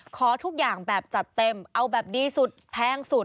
ขอทุกอย่างแบบจัดเต็มเอาแบบดีสุดแพงสุด